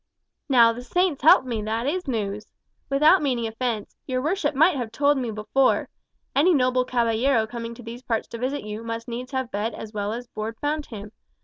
"Now, the Saints help me, that is news! Without meaning offence, your worship might have told me before. Any noble caballero coming to these parts to visit you must needs have bed as well as board found him.